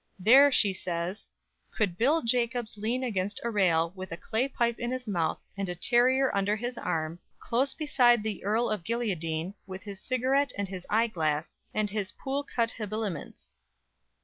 There, she says, "could Bill Jacobs lean against a rail, with a clay pipe in his mouth, and a terrier under his arm, close beside the Earl of Guilliadene, with his cigarette and his eye glass, and his Poole cut habiliments."